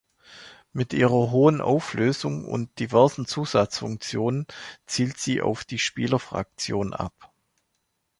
Mit ihrer hohen Auflösung und diversen Zusatzfunktionen zielt sie auf die Spieler-Fraktion ab.